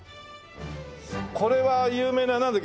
これは有名ななんだっけ？